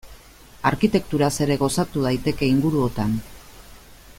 Arkitekturaz ere gozatu daiteke inguruotan.